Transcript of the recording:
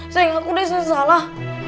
saya ngaku deh saya salah